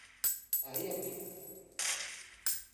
Ԑyiɣ kan.